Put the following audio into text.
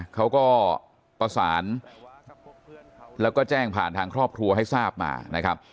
เขาก็ประสานแล้วก็แจ้งผ่านทางครอบครัวให้ทราบมานะครับ